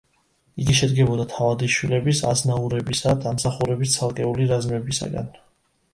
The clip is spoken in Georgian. იგი შედგებოდა თავადიშვილების, აზნაურებისა დამსახურების ცალკეული რაზმებისაგან.